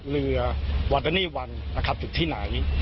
เหลือวัดนี่วันอยู่ที่ไหน